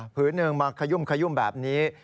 ผืนหนึ่งมาขยุ่มแบบนี้